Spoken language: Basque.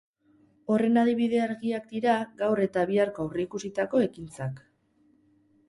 Horren adibide argiak dira gaur eta biharko aurreikusitako ekintzak.